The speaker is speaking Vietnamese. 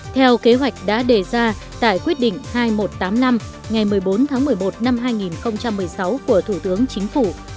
theo kế hoạch đã đề ra tại quyết định hai nghìn một trăm tám mươi năm ngày một mươi bốn tháng một mươi một năm hai nghìn một mươi sáu của thủ tướng chính phủ